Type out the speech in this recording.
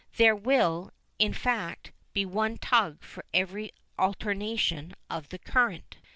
There will, in fact, be one tug for every alternation of the current.